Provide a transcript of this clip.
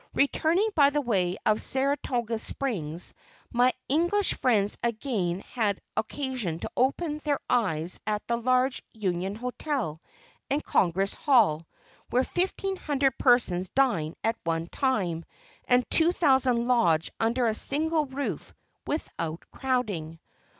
Returning by way of Saratoga Springs, my English friends again had occasion to open their eyes at the large Union Hotel, and Congress Hall, where fifteen hundred persons dine at one time, and two thousand lodge under a single roof without crowding.